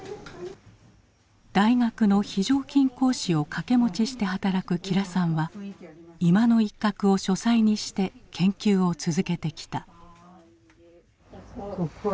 大学の非常勤講師を掛け持ちして働く吉良さんは居間の一角を書斎にして研究を続けてきた。